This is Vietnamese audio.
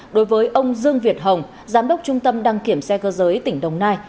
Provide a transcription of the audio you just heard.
đối với ông dương việt hồng giám đốc trung tâm đăng kiểm xe cơ giới tỉnh đồng nai